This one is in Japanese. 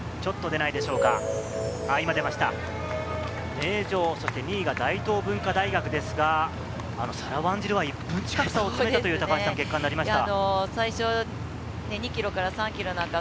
名城、そして２位が大東文化大学ですが、サラ・ワンジルは１分近く縮めるという結果になりました。